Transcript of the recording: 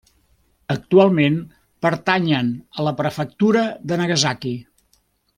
Actualment pertanyen a la Prefectura de Nagasaki.